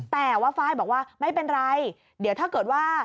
แต่ว่าไฟล์บอกว่าไม่เป็นไรเดี๋ยวถ้าเกิดว่า